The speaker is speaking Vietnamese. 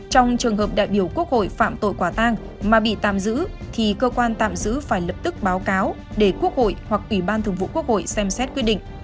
trong trường hợp đại biểu quốc hội phạm tội quả tang mà bị tạm giữ thì cơ quan tạm giữ phải lập tức báo cáo để quốc hội hoặc ủy ban thường vụ quốc hội xem xét quyết định